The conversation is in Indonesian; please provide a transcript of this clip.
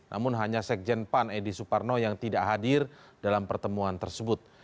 namun hanya sekjen pan edi suparno yang tidak hadir dalam pertemuan tersebut